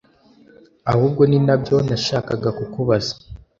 ahubwo ninabyo nashakaga kukubaza